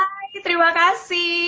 hai terima kasih